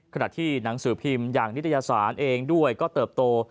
ขณะที่หนังสือพิมพ์อย่างนิตยสารเองด้วยก็เติบโต